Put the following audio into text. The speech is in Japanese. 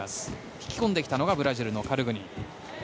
引き込んできたのがブラジルのカルグニン。